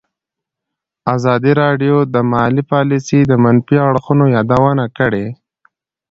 ازادي راډیو د مالي پالیسي د منفي اړخونو یادونه کړې.